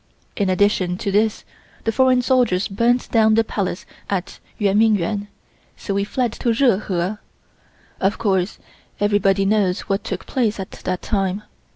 In addition to this the foreign soldiers burnt down the Palace at Yuen Ming Yuen, so we fled to Jehol. Of course everybody knows what took place at that time.